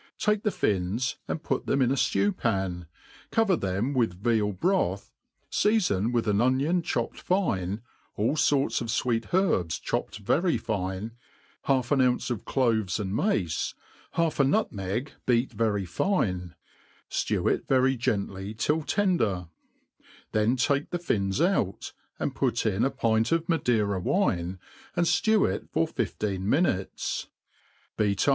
Take the fins, and put them' in a ftew pan, cover them with veal broth, feafon with an onion chbp , ped fine, all forts of fweet herb^ chopped very fine, half an ounce of cloves and mace, half a nutmeg beat very fine, ftew it very gently till tender ; then take the fins oi4t, and put in a pint of Madeira wine, and ftew it for fifteen minutes j beat upi.